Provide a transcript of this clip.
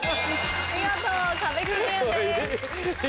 見事壁クリアです。